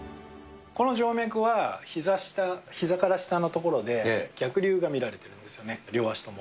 この静脈はひざ下、ひざから下の所で逆流が見られてるんですよね、両足とも。